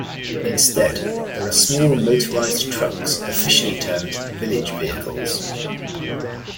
Instead, there are small motorised trucks officially termed "village vehicles".